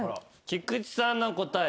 菊地さんの答え